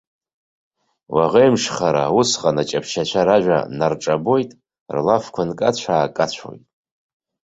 Уаӷеимышхара, усҟан иҷаԥшьацәа ражәа нарҿабоит, рлафқәа нкацәа-аакацәоит.